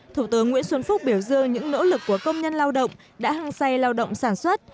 thủ tướng nguyễn xuân phúc biểu dương những nỗ lực của công nhân lao động đã hăng say lao động sản xuất